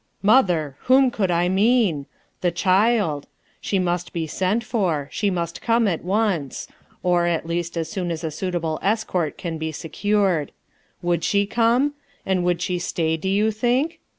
"Mother! whom could I mean? The child. She must be sent for; she must come at once; or, at least as soon as a suitable escort can be secured. Would she come? And would she stay, do you think?